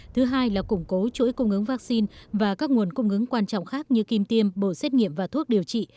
thứ hai là củng cố chuỗi cung ứng vaccine và các nguồn cung ứng quan trọng khác như kim tiêm bộ xét nghiệm và thuốc điều trị